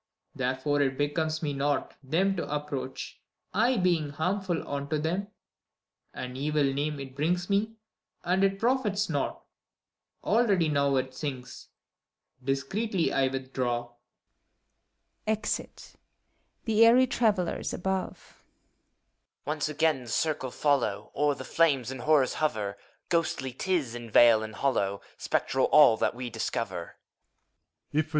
therefore it becomes me not Them to approach, I being harmful unto them : An evil name it brings me, and it profits naught. Already now it sinks: discreetly I withdraw. [Exit, The Airy Travellers above. HOMUNCULUS. Once again the circle follow. O'er the flames and horrors hover! Ghostly 't is in vale and hollow, Spectral all that we discover.